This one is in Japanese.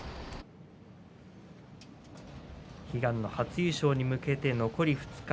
悲願の初優勝に向けて残り２日。